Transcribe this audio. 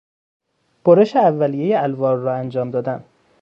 برش اولیهی الوار را انجام دادن